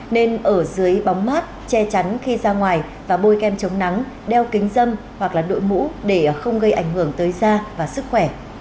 nên ở dưới bóng mát che chắn khi ra ngoài và bôi kem chống nắng đeo kính dâm hoặc là đội mũ để không gây ảnh hưởng tới da và sức khỏe